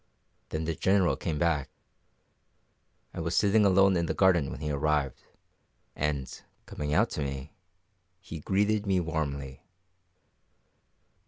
Then the General came back. I was sitting alone in the garden when he arrived, and, coming out to me, he greeted me warmly.